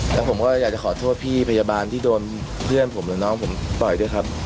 แล้วผมก็อยากจะขอโทษพี่พยาบาลที่โดนเพื่อนผมหรือน้องผมต่อยด้วยครับ